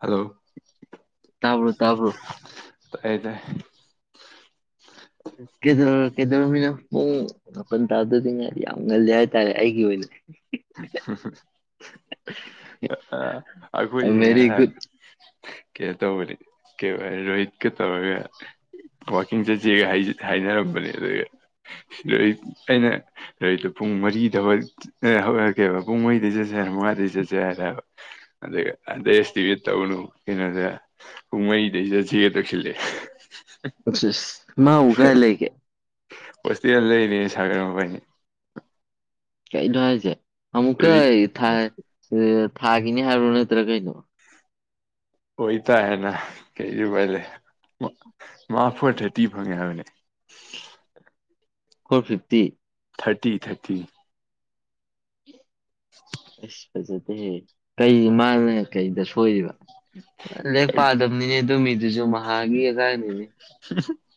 hello ꯇꯥꯕ꯭ꯔꯣ ꯇꯥꯕ꯭ꯔꯣ ꯇꯥꯏ ꯇꯥꯏ ꯀꯩꯗꯧꯔ ꯀꯩꯗꯧꯔꯝꯃꯤꯅꯣ ꯃꯄꯟ ꯇꯥꯗꯖꯨꯉꯥꯏꯔꯤ ꯌꯥꯝ ꯉꯜꯂꯤ ꯍꯥꯏꯇꯥꯔꯦ ꯑꯩꯒꯤ ꯑꯣꯏꯅꯗꯤ ꯍ ꯍ ꯑꯈꯣꯏꯖꯤ ꯚꯦꯔꯤ ꯉꯔꯥꯡ ꯒꯨꯗ ꯀꯩꯅꯣ ꯇꯧꯕꯅꯤ ꯀꯩꯕ ꯔꯣꯍꯤꯠꯀ ꯇꯧꯔꯒ ꯋꯥꯛꯀꯤꯡ ꯆꯠꯁꯦꯒ ꯍꯥꯏꯅꯔꯝꯕꯅꯦ ꯑꯗꯨꯒ ꯁꯤꯗ ꯑꯩ ꯑꯩꯅ ꯂꯩꯗ ꯄꯨꯡ ꯃꯔꯤꯗ ꯑꯦ ꯍꯧꯔꯛꯀꯦꯕ ꯄꯨꯡ ꯃꯔꯤꯗꯩꯩ ꯆꯠꯁꯦ ꯍꯥꯏꯔ ꯃꯉꯥꯗꯩꯩ ꯆꯠꯁꯦ ꯍꯥꯏꯔꯦꯕ ꯑꯗꯨꯒ [unintelligible] ꯇꯧꯅꯨ ꯀꯩꯅꯣꯗ ꯄꯨꯡ ꯃꯔꯤꯗꯩ ꯆꯠꯁꯤꯒ ꯇꯧꯁꯤꯜꯂꯛꯑꯦ ꯃꯥꯕꯨ ꯀꯔꯥꯏ ꯂꯩꯒꯦ ꯍꯣꯁꯇꯦꯜ ꯂꯩꯔꯦ ꯁꯥꯒꯔ ꯃꯕꯥꯏꯅꯤ ꯀꯩꯅꯣ ꯍꯥꯏꯁꯦ ꯑꯃꯨꯛꯀ ꯑꯗꯨꯗꯤ ꯐꯥꯏ ꯐꯥꯒꯤꯅꯤ ꯍꯥꯏꯕ꯭ꯔꯣ ꯅꯠꯇ꯭ꯔ ꯀꯩꯅꯣ ꯑꯣꯏꯇꯥꯥꯔꯦꯅ ꯀꯩꯗꯤ ꯎꯄꯥꯏ ꯂꯩ ꯃꯥ ꯐꯣꯔ ꯊꯥꯔꯇꯤ ꯐꯪꯉꯦ ꯍꯥꯏꯕꯅꯦ ꯐꯣꯔ ꯐꯤꯐꯇꯤ ꯊꯔꯇꯤ ꯊꯔꯇꯤ ꯑꯩꯁ ꯐꯖꯗꯦꯍꯦ ꯀꯩ ꯃꯥꯅ ꯀꯩꯗ ꯁꯣꯏꯔꯤꯕ ꯂꯥꯏꯔꯤꯛ ꯄꯥꯗꯕꯅꯤꯍꯦ ꯑꯗꯨ ꯃꯤꯗꯨꯖꯨ ꯃꯍꯥꯒꯤ ꯑꯉꯥꯡꯅꯤꯅꯦ [unintelligible]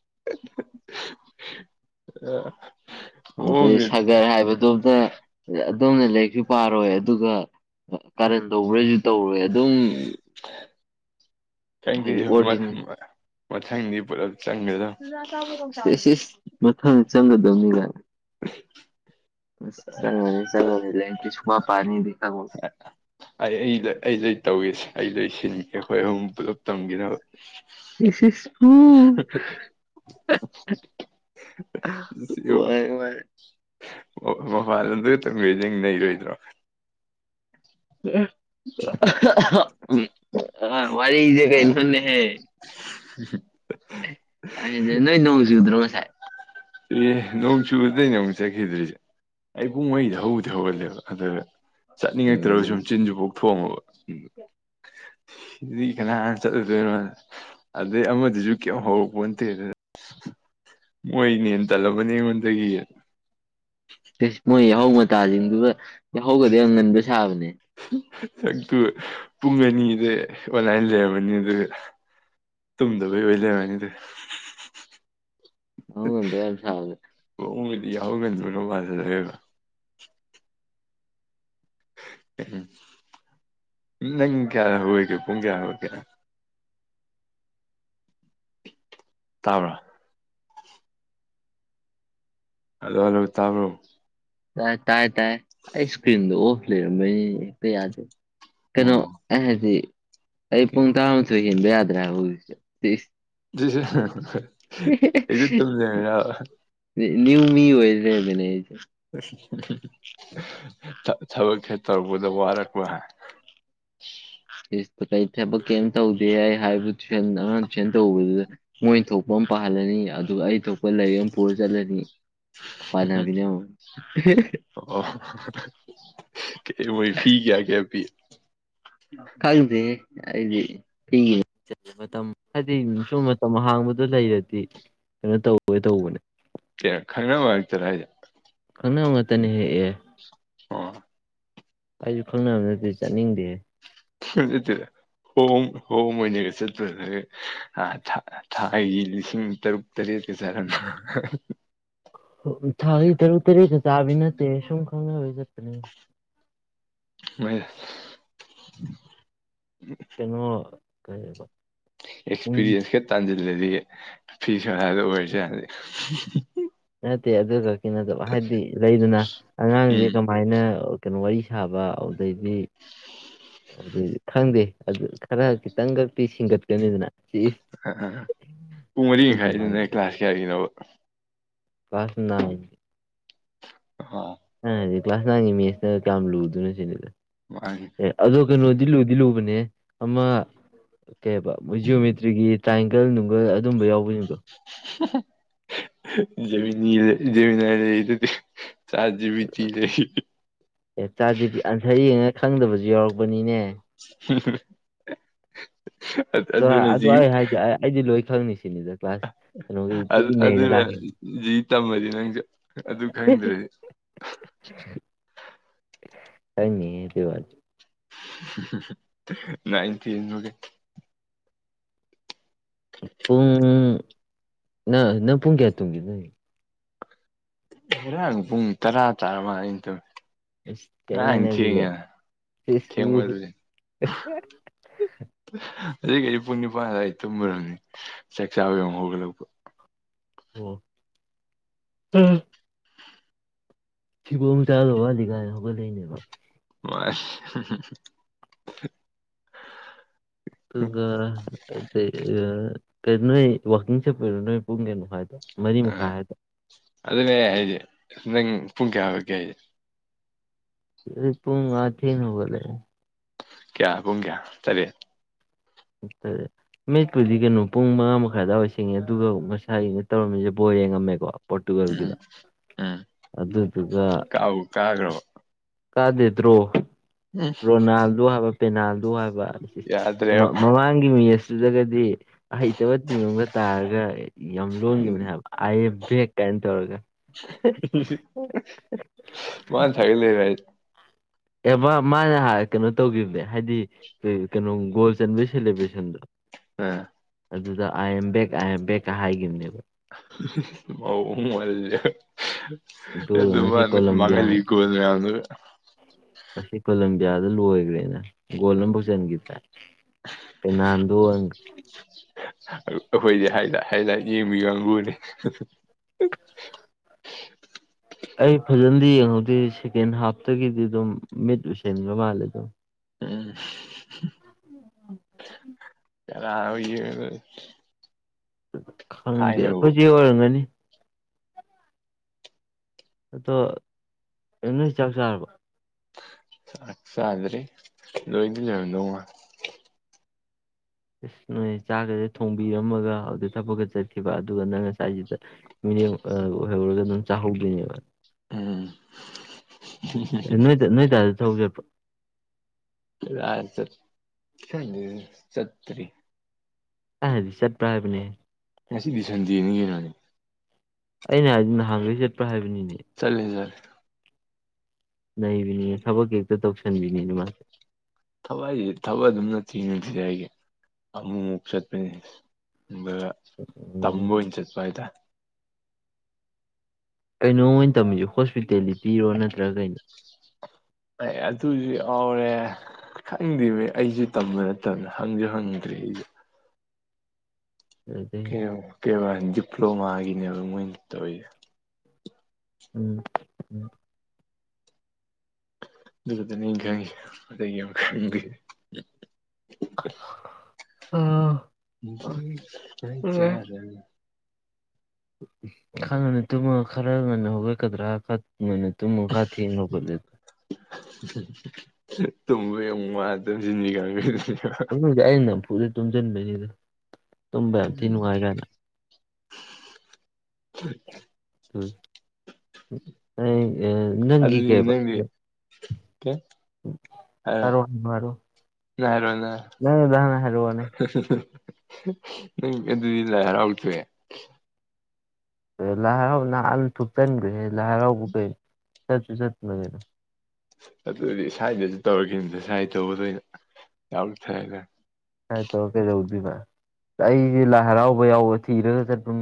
ꯑ ꯑꯗꯩ ꯁꯥꯒꯔ ꯍꯥꯏꯕꯗꯨꯝꯅ ꯑꯗꯣꯝꯅꯦ ꯂꯥꯏꯔꯤꯛꯁꯨ ꯄꯥꯔꯣꯏ ꯑꯗꯨꯒ ꯀꯥꯔꯟ ꯇꯧꯕ꯭ꯔꯁꯨ ꯇꯧꯔꯣꯏ ꯑꯗꯨꯝ ꯈꯪꯗꯦ ꯍꯥꯏꯗꯤ ꯑꯩꯁꯨ ꯃ ꯑꯣꯔꯗꯤ ꯃꯊꯪꯗꯤ ꯄꯨꯂꯞ ꯆꯪꯒꯗ ꯃꯊꯪ ꯆꯪꯒꯗꯝꯅꯤ ꯀꯥꯏꯅ ꯑꯁ ꯆꯪꯉꯅꯤ ꯆꯪꯉꯅꯤ ꯂꯥꯏꯔꯤꯛꯇꯤ ꯁꯨꯛꯄꯥ ꯄꯥꯅꯤꯗꯤ ꯈꯪꯉꯣꯏ ꯑꯩ ꯑꯩꯗ ꯑꯩꯗꯩ ꯇꯧꯏꯁꯦ ꯑꯩ ꯂꯣꯏꯁꯤꯟꯒꯦ ꯈꯣꯏ ꯑꯍꯨꯝ ꯄꯨꯂꯞ ꯇꯝꯒꯤꯅꯕ ꯏꯁ ꯏꯁ ꯎ ꯋꯥꯔꯦ [unintelligible] ꯋꯥꯔꯦ ꯃꯄꯥꯟꯗ [unintelligible] ꯅꯩꯔꯣꯏꯗ꯭ꯔꯣ ꯑ ꯋꯥꯔꯤꯖꯦ ꯀꯩꯅꯣꯅꯦꯍꯦ [unintelligible] [unintelligible] ꯅꯣꯏ ꯅꯣꯡ ꯆꯨꯗ꯭ꯔꯣ ꯉꯁꯥꯏ ꯆꯨꯏꯌꯦ ꯅꯣꯡ ꯆꯨꯕꯗꯩꯩꯅꯦ ꯑꯃꯨꯛ ꯆꯠꯈꯤꯗ꯭ꯔꯤꯁꯦ ꯑꯩ ꯄꯨꯡ ꯃꯔꯤꯗ ꯍꯧꯕꯨꯗꯤ ꯍꯧꯒꯠꯂꯦꯕ ꯑꯗꯨꯗ ꯆꯠꯅꯤꯡꯉꯛꯇ꯭ꯔꯕ ꯁꯨꯝ ꯎꯝ ꯆꯤꯟꯁꯨ ꯄꯣꯛꯊꯣꯛ ꯑꯝꯃꯕ [inaudible] ꯁꯤꯗꯤ ꯀꯅꯥꯅ ꯆꯠꯂꯨꯗꯣꯏꯅꯣꯗ ꯑꯗꯩ ꯑꯃꯗꯨꯁꯨ ꯀꯩꯝ ꯍꯧꯔꯛꯄꯣꯟꯇꯦ ꯑꯗꯨꯗ ꯃꯣꯏꯅ ꯍꯦꯟꯅ ꯇꯜꯂꯝꯃꯅꯤ ꯑꯩꯉꯣꯟꯗꯒꯤ ꯏꯁ ꯃꯣꯏ ꯌꯥꯍꯧ ꯃꯇꯥꯁꯤꯡꯗꯨꯒ ꯌꯥꯍꯧꯒꯗꯤ ꯌꯥꯝ ꯉꯟꯕ ꯁꯥꯕꯅꯦ ꯑꯗꯨꯒ ꯄꯨꯡ ꯑꯅꯤꯗ ꯑꯣꯟꯂꯥꯏꯟ ꯂꯩꯔꯝꯃꯅꯤ ꯑꯗꯨꯒ ꯇꯨꯝꯗꯕꯩ ꯑꯣꯏ ꯂꯩꯔꯝꯃꯅꯤ ꯗꯨꯒ ꯌꯥꯍꯧ ꯉꯟꯕ ꯌꯥꯝ ꯁꯥꯕꯅꯦ ꯃꯑꯣꯡꯒꯗꯤ ꯌꯥꯍꯧ ꯉꯟꯕꯒ ꯃꯥꯜꯍꯜꯂꯒꯕ ꯅꯪ ꯀꯌꯥꯗ ꯍꯧꯒꯠꯀꯦ ꯄꯨꯡ ꯀꯌꯥ ꯍꯧꯒꯠꯀꯦ ꯇꯥꯕ꯭ꯔꯥ ꯍꯜꯂꯣ ꯍꯜꯂꯣ ꯇꯥꯕ꯭ꯔꯥ ꯇꯥꯏ ꯇꯥꯏ ꯇꯥꯏ ꯑꯩ ꯁꯀ꯭ꯔꯤꯟꯗꯣ ꯑꯣꯐ ꯂꯩꯔꯝꯕꯩꯅꯤ ꯍꯦꯛꯇ ꯌꯥꯗꯦ ꯀꯩꯅꯣ ꯑꯣ ꯑꯩꯅ ꯍꯥꯏꯗꯤ ꯑꯩ ꯑꯣꯀꯦ ꯄꯨꯡ ꯇꯔꯥꯃꯊꯣꯏ ꯍꯦꯟꯕ ꯌꯥꯗ꯭ꯔꯦ ꯍꯥꯏꯕ ꯍꯧꯖꯤꯛꯁꯦ ꯁꯤꯁ ꯍꯦꯛꯇ ꯇꯨꯝ ꯂꯩꯔꯝꯃꯤꯔꯥꯕ ꯅꯦ ꯅ꯭ꯌꯨ ꯃꯤ ꯑꯣꯏ ꯂꯩꯔꯝꯃꯦꯅꯦ ꯑꯩꯁꯦ ꯊ ꯊꯕꯛꯁꯦ ꯇꯧꯔꯛꯄꯗ ꯋꯥꯔꯛꯄ ꯍꯥ [unintelligible] ꯊꯕꯛ ꯀꯩꯝ ꯇꯧꯗꯦ ꯑꯩ ꯍꯥꯏꯕꯨ ꯇꯨꯏꯁꯟ ꯑꯉꯥꯡ ꯇꯨꯏꯁꯟ ꯇꯧꯕꯗꯨꯗꯅꯦ ꯃꯣꯏꯟ ꯊꯣꯛꯄ ꯄꯥꯍꯜꯂꯅꯤ ꯑꯗꯨꯒ ꯑꯩ ꯊꯣꯛꯄ ꯂꯥꯏꯔꯤꯛ ꯑꯃ ꯄꯨꯔ ꯆꯠꯂꯅꯤ ꯄꯥꯅꯕꯤꯅꯦ ꯑꯃꯨꯛ ꯑꯣ ꯀꯩ ꯃꯣꯏ ꯐꯤ ꯀꯌꯥ ꯀꯌꯥ ꯄꯤ ꯈꯪꯗꯦꯍꯦ ꯑꯩꯗꯤ ꯐꯤ [unintelligible] ꯃꯇꯝ ꯍꯥꯏꯗꯤ ꯁꯨꯝ ꯃꯇꯝ ꯑꯍꯥꯡꯕꯗꯣ ꯂꯩꯔꯗꯤ ꯀꯩꯅꯣ ꯇꯧꯋꯦ ꯇꯧꯕꯅꯦ ꯑꯦ ꯈꯪꯅꯕ ꯉꯥꯛꯇꯔ ꯍꯥꯏꯖꯦ ꯈꯪꯅ ꯉꯥꯛꯇꯅꯦꯍꯦ ꯑꯦ ꯑꯣ ꯑꯩꯖꯨ ꯈꯪꯅꯕ ꯅꯠꯇꯗꯤ ꯆꯠꯅꯤꯡꯗꯦꯍꯦ ꯅꯠꯇꯦꯗ ꯍꯣꯝ ꯍꯣꯝ ꯑꯣꯏꯅꯒ ꯆꯠꯇꯣꯏꯔꯒ ꯑꯥ ꯊ ꯊꯥꯏꯒꯤ ꯂꯤꯁꯤꯡ ꯇꯔꯨꯛ ꯇꯔꯦꯠꯀ [unintelligible] ꯊꯥꯒꯤ ꯇꯔꯨꯛ ꯇꯔꯦꯠꯀ ꯆꯥꯕꯤ ꯅꯠꯇꯦꯍꯦ ꯁꯨꯝ ꯈꯪꯅꯕꯩ ꯆꯠꯄꯅꯦ [unintelligible] ꯀꯩꯅꯣ ꯀꯩꯑꯕ ꯑꯦꯛꯁꯄꯤꯔꯤꯌꯦꯟꯁ ꯈꯔ ꯇꯥꯟꯁꯤꯜꯂꯗꯤ ꯐꯤ ꯁꯥꯔꯗ ꯑꯣꯏꯔꯁꯨ ꯌꯥꯅꯤ ꯅꯠꯇꯦ ꯑꯗꯨ ꯈꯛꯀꯤ ꯅꯠꯇꯕ ꯍꯥꯏꯗꯤ ꯂꯩꯗꯅ ꯎꯝ ꯑꯉꯥꯡꯖꯦ ꯀꯥ ꯃꯥꯏꯅ ꯀꯩꯅꯣ ꯋꯥꯔꯤ ꯁꯥꯕ ꯑꯧꯗꯩꯗꯤ [unintelligible] ꯈꯪꯗꯦ ꯑꯗꯨ ꯈꯔ ꯈꯤꯇꯪ ꯈꯛꯇꯤ ꯁꯤꯡꯒꯠꯀꯅꯤꯗꯅ ꯁꯤ ꯏꯁ ꯑꯥ ꯑꯥ ꯑꯥ ꯄꯨꯡ ꯑꯗꯨꯒꯤ ꯋꯥꯅꯤ ꯃꯔꯤꯃꯈꯥꯏꯗꯨꯅ ꯀ꯭ꯂꯥꯁ ꯀꯌꯥꯒꯤꯅꯣꯕ ꯀ꯭ꯂꯥꯁ ꯅꯥꯏꯟ [unintelligible] ꯑꯩꯅ ꯍꯥꯏꯗꯤ ꯀ꯭ꯂꯥꯁ ꯅꯥꯏꯟꯒꯤ ꯃꯦꯠꯁꯇ ꯀꯌꯥꯝ ꯂꯨꯗꯨꯅꯣ ꯁꯤꯅꯤꯗ ꯋꯥꯏꯍꯦ ꯑꯦ ꯑꯗꯣ ꯀꯩꯅꯣꯗꯤ ꯂꯨꯗꯤ ꯂꯨꯕꯅꯦꯍꯦ ꯑꯃ ꯀꯩ ꯍꯥꯏꯕ ꯃꯣꯏ ꯖꯤꯑꯣꯃꯦꯇ꯭ꯔꯤꯒꯤ ꯇ꯭ꯔꯥꯏꯒꯜ ꯅꯨꯡꯒꯜ ꯑꯗꯨꯝꯕ ꯌꯥꯎꯕꯖꯤꯡꯗꯣ ꯖꯦꯃꯤꯅꯤ ꯖꯦꯃꯤꯅꯥꯏ ꯂꯩꯔꯤꯗꯨꯗꯤ ꯆꯥꯠ ꯖꯤ ꯄꯤ ꯇꯤ ꯂꯩ ꯑꯦ ꯆꯥꯠ ꯖꯤ ꯑꯟꯁꯔ ꯌꯦꯡꯉꯒ ꯈꯪꯗꯕꯖꯨ ꯌꯥꯎꯔꯛꯄꯅꯤꯅꯦ ꯑꯥ ꯑꯗꯣ ꯑꯗꯨꯅ ꯑꯗꯨ ꯖꯤꯌꯨ ꯑꯩ ꯍꯥꯏꯗꯤ ꯑꯩꯗꯤ ꯂꯣꯏ ꯈꯪꯅꯤ ꯁꯤꯅꯤꯗ ꯀ꯭ꯂꯥꯁ ꯀꯩꯅꯣꯒꯤ ꯑ ꯇꯤ ꯅꯩꯔ ꯑꯗꯨꯅ ꯂꯥꯛꯈꯤꯅꯤ ꯖꯤ ꯇꯝꯃꯗꯤ ꯅꯪꯖꯨ ꯑꯗꯨ ꯈꯪꯗ꯭ꯔꯗꯤ ꯈꯪꯅꯤꯍꯦ ꯑꯗꯨ ꯋꯥꯗꯤ [unintelligible] ꯄꯨꯡ ꯅꯪ ꯅꯪ ꯄꯨꯡ ꯀꯌꯥ ꯇꯨꯝꯒꯦ ꯅꯣꯏꯒꯤ ꯈꯦꯔꯥꯡ ꯄꯨꯡ ꯇꯔꯥ ꯇꯥꯔꯥꯃꯟꯂꯦ ꯑꯩꯅ ꯇꯨꯝꯃꯤ ꯑꯁ ꯉꯔꯥꯡ ꯊꯦꯡꯉꯦꯅꯦ ꯑꯗꯨꯗꯤ ꯊꯦꯡꯉꯦ ꯊꯦꯡꯃꯟꯂꯦ ꯑꯗꯨꯒꯤ ꯑꯩ ꯄꯨꯡ ꯅꯤꯄꯥꯟ ꯑꯗꯨꯋꯥꯏ ꯇꯨꯝꯃꯨꯔꯝꯅꯤ ꯆꯥꯛꯆꯥꯥꯕ ꯑꯃꯨꯛ ꯍꯧꯒꯠꯂꯛꯄ ꯑꯣ ꯊꯨꯕꯣꯡ ꯆꯥꯗꯣ ꯋꯥꯠꯂꯤ ꯀꯥꯟ ꯍꯧꯒꯠꯂꯛꯏꯅꯦꯕ [unintelligible] ꯑꯗꯨꯒ ꯑꯗꯩ ꯑ ꯀ ꯅꯣꯏ ꯋꯥꯀꯤꯡ ꯆꯠꯄꯩꯔꯣ ꯅꯣꯏ ꯄꯨꯡ ꯀꯩꯅꯣ ꯍꯥꯏꯗꯣ ꯃꯔꯤ ꯑ ꯃꯈꯥꯏ ꯍꯥꯏꯗꯣ ꯑꯗꯨꯅꯦ ꯑꯩ ꯍꯥꯏꯖꯦ ꯅꯪ ꯄꯨꯡ ꯀꯌꯥ ꯍꯧꯒꯠꯀꯦ ꯍꯥꯏꯖꯦ ꯑꯗꯨꯗꯤ ꯄꯨꯡ ꯑꯥ ꯊꯦꯡꯅ ꯍꯧꯒꯠꯂꯦ ꯀꯌꯥ ꯄꯨꯡ ꯀꯌꯥ ꯇꯔꯦꯠ [unintelligible] ꯃꯤꯠꯄꯨꯗꯤ ꯀꯩꯅꯣ ꯄꯨꯡ ꯃꯉꯥ ꯃꯈꯥꯏ ꯑꯗꯥꯏꯋꯥꯏ ꯁꯤꯡꯉꯦ ꯑꯗꯨꯒ ꯉꯁꯥꯏ ꯇꯧꯔꯝꯃꯤꯖꯦ ꯕꯣꯜ ꯌꯦꯡꯉꯝꯃꯦꯀꯣ ꯎꯝ ꯄꯣꯔꯇꯨꯒꯜꯒꯤꯗꯣ ꯎꯝ ꯑꯗꯨꯗꯨꯒ ꯀꯥꯕꯨ ꯀꯥꯈ꯭ꯔꯕ ꯀꯥꯗꯦ ꯗ꯭ꯔꯣ ꯎꯝ [unintelligible] ꯍꯥꯏꯕ ꯄꯦꯅꯥꯜꯗꯣ ꯍꯥꯏꯕ ꯌꯥꯗ꯭ꯔꯦꯞ ꯃ- ꯃꯃꯥꯡꯒꯤ ꯃꯦꯁꯇꯨꯗꯒꯗꯤ ꯑꯍꯩꯇꯕ ꯇꯤꯝ ꯑꯝꯒꯥ ꯇꯥꯔꯒ ꯌꯥꯝ ꯂꯣꯟꯒꯤꯕꯅꯦ ꯍꯥꯏꯕ ꯑꯥꯏ ꯌꯦꯝ ꯕꯦꯛ ꯀꯩꯅꯣ ꯇꯧꯔꯒ [unintelligible] ꯑꯦ ꯃꯥ ꯃꯥ ꯉꯍꯥꯟ ꯀꯩꯅꯣ ꯇꯧꯒꯤꯕꯅꯦ ꯍꯥꯏꯗꯤ ꯀꯩꯅꯣ ꯒꯣꯜ ꯆꯟꯕꯒꯤ ꯁꯦꯂꯦꯕ꯭ꯔꯦꯁꯟꯗꯣ ꯑꯥ ꯑꯗꯨꯗ I am back I am ꯕꯦꯛꯀ ꯍꯥꯏꯒꯤꯕꯅꯦꯕ [unintelligible] ꯑꯗꯨꯒ ꯑꯗꯨ ꯉꯁꯤ ꯃꯥꯅ ꯀꯣꯂꯝꯕꯤꯌꯥ ꯃꯥꯡꯍꯟꯂꯤ ꯒꯣꯜ ꯃꯌꯥꯝꯗꯨꯒ ꯉꯁꯤ ꯀꯣꯂꯝꯕꯤꯌꯥꯗ ꯂꯣꯏꯒ꯭ꯔꯦꯅꯦ ꯒꯣꯜ ꯑꯝꯕꯧ ꯆꯟꯒꯤꯗ꯭ꯔꯦ [unintelligible] ꯑꯩꯈꯣꯏꯗꯤ ꯍꯥꯏ ꯍꯥꯏꯂꯥꯏꯠ ꯌꯦꯡꯕꯤ ꯀꯥꯡꯒꯨꯅꯦ ꯑꯩ ꯐꯖꯅꯗꯤ ꯌꯦꯡꯍꯧꯗꯦ ꯁꯦꯀꯦꯟ ꯍꯥꯐꯇꯒꯤꯗꯤ ꯑꯗꯨꯝ ꯃꯤꯠ ꯎꯏꯁꯤꯟꯕ ꯃꯥꯜꯂꯦ ꯑꯗꯨꯝ ꯎꯝ ꯀꯅꯥꯅꯣ ꯌꯦꯡꯉꯒꯥ ꯈꯪꯗꯦ ꯑꯩꯈꯣꯏ ꯆꯦ ꯑꯣꯏꯔꯝꯒꯅꯤ ꯑꯗꯣ [unintelligible] ꯅꯣꯏ ꯆꯥꯛ ꯆꯥꯔꯕꯣ ꯆꯥꯛ ꯆꯥꯗ꯭ꯔꯤ ꯂꯣꯏꯗꯤ ꯂꯣꯏꯔꯝꯗꯧ ꯃꯥꯟ ꯑꯁ ꯅꯣꯏꯗꯤ ꯆꯥꯛꯒꯖꯦ ꯊꯣꯡꯕꯤꯔꯝꯃꯒ ꯑꯗꯨ ꯊꯕꯛꯀ ꯆꯠꯈꯤꯕ ꯑꯗꯨꯒ ꯅꯪꯅ ꯁꯥꯏꯖꯤꯗ ꯃꯤꯔꯦꯝ ꯑ ꯑꯣꯏꯍꯧꯔꯒ ꯑꯗꯨꯝ ꯆꯥꯍꯧꯗꯣꯏꯅꯦꯕ ꯎꯝ ꯅꯣꯏ ꯅꯣꯏ ꯗꯥꯖꯨ ꯊꯕꯛ ꯆꯠꯄ꯭ꯔꯣ ꯀꯔꯥꯏ ꯆꯠ ꯈꯪꯗꯦꯅꯦ ꯆꯠꯇ꯭ꯔꯤ ꯑꯩꯅꯥ ꯍꯥꯏꯗꯤ ꯆꯠꯄ꯭ꯔꯥ ꯍꯥꯏꯕꯅꯦ ꯉꯁꯤꯗꯤ ꯁꯟꯗꯦꯅꯤ [unintelligible] ꯑꯩꯅ ꯍꯥꯏꯕꯗꯤ ꯅꯍꯥꯟꯒꯩ ꯆꯠꯄ꯭ꯔꯥ ꯍꯥꯏꯕꯅꯤ ꯆꯠꯂꯤ ꯆꯠꯂꯤ ꯅꯩꯕꯤꯅꯤ ꯊꯕꯛꯀꯥ ꯍꯦꯛꯇ ꯇꯧꯁꯟꯕꯤꯅꯤ [unintelligible] ꯊꯕꯛ ꯍꯥꯏꯖꯦ ꯊꯕꯛ ꯑꯗꯨꯝ ꯅꯠꯇꯤꯌꯦ ꯅꯨꯡꯇꯤꯖꯥꯏꯒꯤ ꯑꯃꯨꯛꯃꯨꯛ ꯆꯠꯄꯅꯤ ꯑꯗꯨꯒ ꯇꯝꯕ ꯎꯝ ꯑꯣꯏꯅ ꯆꯠꯄ ꯍꯥꯏꯇꯥꯔꯦ ꯀꯩꯅꯣꯕ ꯃꯣꯏꯅ ꯇꯝꯃꯤꯖꯤ ꯍꯣꯁꯄꯤꯇꯦꯜꯂꯤꯇꯤ ꯔꯣ ꯅꯠꯇ꯭ꯔ ꯀꯩꯅꯣ ꯍꯣꯏ ꯑꯗꯨꯖꯨ ꯌꯥꯎꯔꯦ ꯈꯪꯗꯦꯃꯤ ꯑꯩꯖꯨ ꯇꯝꯕ ꯅꯠꯇꯕꯅꯤꯅ ꯍꯪꯖꯨ ꯍꯪꯗ꯭ꯔꯤ ꯑꯩ ꯑꯗꯨꯗꯩ ꯀꯩꯅꯣ ꯀꯩꯕꯥ ꯗꯤꯄ꯭ꯂꯣꯃꯥꯒꯤꯅꯦꯕ ꯃꯣꯏꯅ ꯇꯧꯔꯤꯖꯦ ꯎꯝ ꯑꯗꯨꯈꯛꯇꯅꯦ ꯑꯩꯅ ꯈꯪꯉꯤꯖꯦ ꯑꯇꯩ ꯀꯩꯝ ꯈꯪꯗꯦ ꯎꯝ [unintelligible] ꯈꯔ ꯉꯟꯅ ꯇꯨꯝꯃ ꯈꯔ ꯉꯟꯅ ꯍꯧꯒꯠꯀꯗ꯭ꯔꯥ ꯍꯥꯏꯔ ꯈꯔ ꯉꯟꯅ ꯇꯨꯝꯃ ꯈꯔ ꯊꯦꯡꯅ ꯍꯧꯒꯠꯂꯦ [unintelligible] ꯑꯗꯨꯕꯨꯗꯤ ꯑꯩꯅ ꯅꯝꯐꯨꯗ ꯇꯨꯝꯖꯟꯕꯩꯅꯤꯗ ꯇꯨꯝꯕ ꯌꯥꯝ ꯊꯤ ꯅꯨꯡꯉꯥꯏ ꯀꯥꯏꯅ ꯎꯝ [unintelligible] ꯅꯪꯒꯤ ꯑꯗꯨꯗꯤ ꯀꯩꯕ ꯅꯪꯗꯤ [unintelligible] ꯀꯩ ꯅꯪ ꯍꯥꯏꯔꯣ ꯅꯪ ꯅꯪꯒꯤꯗꯣ ꯍꯥꯟꯅ ꯍꯥꯏꯔꯛꯑꯣꯅꯦ [unintelligible] ꯅꯪ ꯑꯗꯨꯗꯤ ꯂꯥꯏ ꯍꯔꯥꯎ ꯇꯣꯛꯑꯦ ꯂꯥꯏ ꯍꯔꯥꯎꯕ ꯅꯍꯥꯟ ꯊꯣꯛꯨꯞꯆꯟꯒ꯭ꯔꯦꯍꯦ ꯂꯥꯏ ꯍꯔꯥꯎꯕ ꯀꯩꯅꯣ ꯆꯠꯁꯨ ꯆꯠꯇꯅ ꯀꯩꯅꯣ ꯑꯗꯨꯗꯤ ꯁꯥꯏꯗꯖꯨ ꯇꯧꯔꯦꯀꯩꯅꯣ ꯁꯥꯏ ꯇꯧꯕꯗ ꯑꯣꯏꯅ ꯌꯥꯎꯊꯔ ꯂꯣꯏꯔꯦ ꯁꯥꯏ ꯇꯧꯔ ꯀꯩꯗꯧꯗꯣꯏꯕ ꯑꯩꯖꯂ ꯂꯥꯏ ꯍꯔꯥꯎꯕ ꯌꯥꯎꯕ ꯊꯤꯔꯒ ꯆꯠꯄ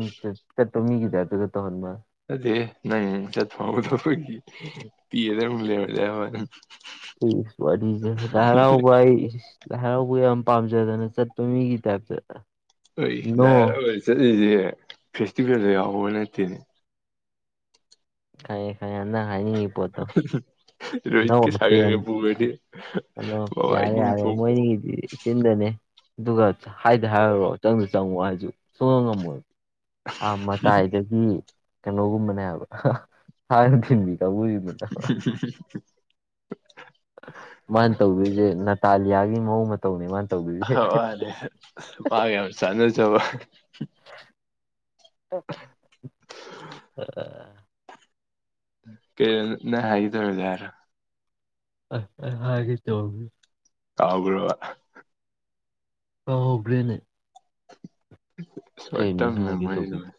ꯆꯠꯄ ꯃꯤꯒꯤ ꯇꯥꯏꯞꯇꯒ ꯇꯧꯍꯟꯕ ꯋꯥꯅꯤ ꯅꯠꯇꯦꯍꯦ ꯅꯪ ꯆꯠ ꯐꯪꯍꯧꯗꯕꯒꯤ ꯄꯦꯔꯒ ꯑꯃꯨꯛ ꯂꯩꯍꯧꯔꯗꯤ ꯍꯥꯏꯕꯩ ꯋꯥꯅꯤ ꯏꯁ ꯋꯥꯔꯤꯖꯦ ꯂꯥꯏ ꯍꯔꯥꯎꯕ ꯍꯥꯏ ꯏꯁ ꯂꯥꯏ ꯍꯔꯥꯎꯕ ꯌꯥꯝ ꯄꯥꯝꯖꯗꯅ ꯆꯠꯄ ꯃꯤꯒꯤ ꯇꯥꯏꯞꯇ ꯅꯣ ꯂꯥꯏ ꯍꯔꯥꯎꯕ ꯆꯠꯂꯤꯖꯦ ꯐꯦꯁꯇꯤꯚꯦꯜꯗꯣ ꯌꯥꯎꯕ ꯅꯠꯇꯦꯅꯦ ꯈꯪꯉꯦ ꯈꯪꯉꯦ ꯅꯪ ꯍꯥꯏꯅꯤꯡꯉꯤ ꯄꯣꯠꯇꯣ ꯅꯧ ꯔꯣꯍꯤꯠꯀꯤ ꯍꯥꯞꯄ ꯌꯥꯅꯤ ꯁꯥꯒꯔꯒ ꯄꯨꯒ꯭ꯔꯥꯗꯤ ꯃꯥꯕꯥꯏꯅꯤ ꯊꯣꯛꯄ [unintelligible] ꯆꯤꯟꯗꯅꯦ ꯑꯗꯨꯒ ꯍꯥꯏꯗ ꯍꯥꯏꯔꯨꯔꯣ ꯆꯪꯗ ꯆꯪꯉꯣ ꯍꯥꯏꯖꯨ ꯁꯨꯛꯉꯝ ꯉꯝꯃꯣꯏꯕ ꯑꯥ ꯃꯇꯥꯏꯗꯒꯤ ꯀꯩꯅꯣꯒꯨꯝꯕꯅꯦꯕ ꯊꯥꯅ ꯊꯤꯟꯕꯤ ꯀꯥꯡꯒꯨ [unintelligible] ꯃꯥꯅ ꯇꯧꯗꯣꯏꯖꯦ ꯅꯅꯥꯇꯥꯂꯤꯌꯥꯒꯤ ꯃꯑꯣꯡ ꯃꯇꯧ ꯇꯧꯅꯦ ꯃꯥꯅꯥ ꯇꯧꯗꯣꯏꯗꯣ [unintelligible] ꯃꯥ ꯌꯥꯝ ꯆꯥꯟꯅꯖꯕ ꯑꯥ ꯀꯔꯤꯅꯣ ꯅꯪꯅ ꯍꯥꯏꯒꯦ ꯇꯧꯔꯤꯗꯣ ꯍꯥꯏꯔꯣ ꯑꯥ ꯍꯥꯏꯒꯦ ꯇꯧꯔꯝ ꯀꯥꯎꯒ꯭ꯔꯥꯕ ꯀꯥꯎꯒ꯭ꯔꯦꯅꯦ ꯁꯣꯔꯠ ꯀꯩꯅꯣ ꯇꯥꯔꯝ ꯑꯩꯅ ꯍꯥꯏꯒꯦ ꯃꯦꯃꯣꯔꯤ ꯂꯣꯏꯔꯦ ꯇꯧꯕꯤꯗꯣ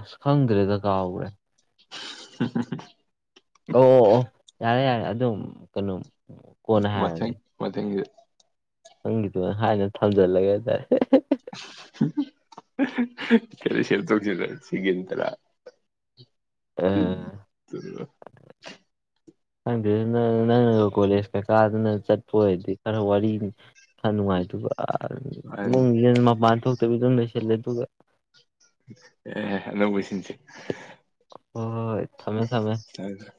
ꯑꯁ ꯈꯪꯗ꯭ꯔꯦꯗ ꯀꯥꯎꯒ꯭ꯔꯦ [unintelligible] ꯑꯣ ꯑꯣ ꯑꯣ ꯌꯥꯔꯦ ꯌꯥꯔꯦ ꯑꯗꯨꯝ ꯀꯩꯅꯣꯝ ꯃꯊꯪ ꯃꯊꯪꯒꯤꯗ ꯅꯪꯒꯤꯗꯨ ꯍꯥꯏꯅ ꯊꯝꯖꯜꯂꯒꯅꯦ [unintelligible] [unintelligible] ꯈꯔ ꯁꯦꯞ ꯇꯧꯁꯤꯜꯂꯦ ꯁꯦꯀꯦꯟ ꯇꯔꯥ ꯑꯥ ꯈꯪꯗꯦ ꯅꯪꯅ ꯀꯣꯂꯦꯖꯀ ꯀꯩꯗꯥꯅ ꯆꯠꯄꯣꯏꯗꯤ ꯈꯔ ꯋꯥꯔꯤ ꯈꯔ ꯅꯨꯡꯉꯥꯏꯗꯣꯏꯕ ꯃꯥꯅꯤ ꯏꯃꯨꯡꯗ ꯃꯄꯥꯟ ꯊꯣꯛꯇꯕꯤ ꯑꯗꯨꯝ ꯂꯩꯁꯤꯜꯂꯦ ꯑꯗꯨꯒ ꯑꯦ ꯑꯅꯧꯕꯁꯤꯟꯁꯦ ꯍꯣꯏ ꯍꯣꯏ ꯊꯝꯃꯦ ꯊꯝꯃꯦ ꯇꯥꯔ꯭ꯕꯥ